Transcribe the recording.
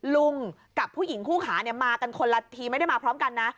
ลุงกับผู้หญิงคู่ขามากันคนละทีไม่ได้มาพร้อมกันนะ